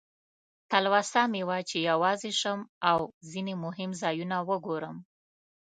تلوسه مې وه چې یوازې شم او ځینې مهم ځایونه وګورم.